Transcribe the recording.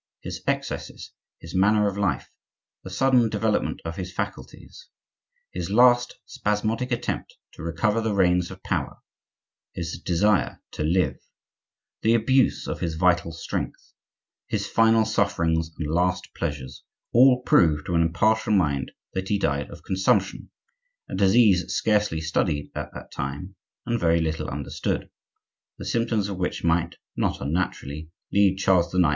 His excesses, his manner of life, the sudden development of his faculties, his last spasmodic attempt to recover the reins of power, his desire to live, the abuse of his vital strength, his final sufferings and last pleasures, all prove to an impartial mind that he died of consumption, a disease scarcely studied at that time, and very little understood, the symptoms of which might, not unnaturally, lead Charles IX.